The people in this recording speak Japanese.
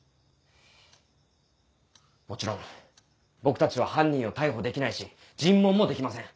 もちろん僕たちは犯人を逮捕できないし尋問もできません。